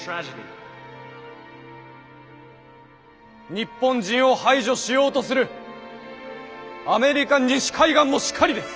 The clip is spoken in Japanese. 日本人を排除しようとするアメリカ西海岸もしかりです。